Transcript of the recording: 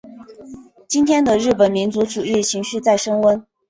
今天的日本民族主义情绪在升温。